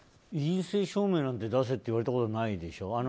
陰性証明なんて出せって言われたことはないでしょ。